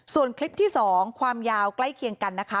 ส่วนคลิปที่๒ความยาวใกล้เคียงกันนะคะ